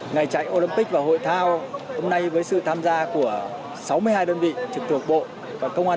ngày chạy olympic và hội thao hôm nay với sự tham gia của sáu mươi hai đơn vị trực thuộc bộ và công an